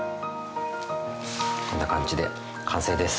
こんな感じで完成です。